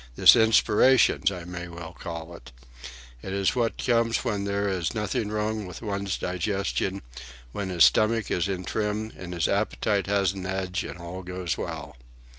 this inspiration, I may well call it? It is what comes when there is nothing wrong with one's digestion, when his stomach is in trim and his appetite has an edge, and all goes well.